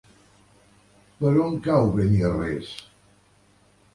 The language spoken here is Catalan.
Per on cau Beniarrés?